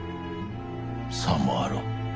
さもあろう。